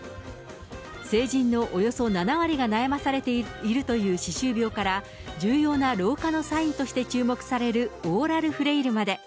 成人のおよそ７割が悩まされているという歯周病から、重要な老化のサインとして注目されるオーラルフレイルまで。